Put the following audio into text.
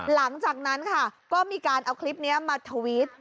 หลังจากนั้นค่ะก็มีการเอาคลิปนี้มาทวิต